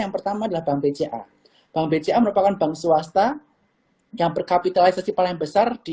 yang pertama adalah bank bca bank bca merupakan bank swasta yang berkapitalisasi paling besar di